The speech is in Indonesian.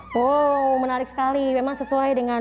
wow menarik sekali memang sesuai dengan